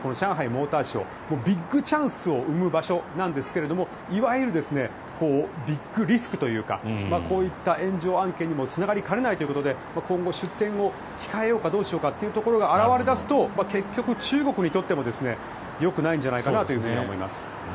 モーターショービッグチャンスを生む場所なんですがいわゆるビッグリスクというかこういった炎上案件にもつながりかねないということで今後、出展を控えようかどうしようかというところが現れ出すと結局、中国にとってもよくないんじゃないかなと思います。